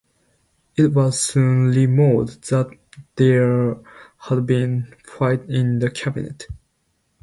It was soon rumored that there had been a fight in the cabinet.